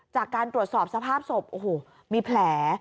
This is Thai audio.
จากการตรวจสอบสภาพศพโอ้โหมีแผล